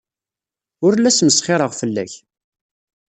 Ur la smesxireɣ ara fell-ak.